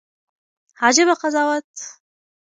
عجيبه قضاوت